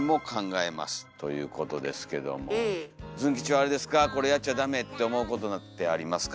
ズン吉はこれやっちゃだめって思うことなんてありますか？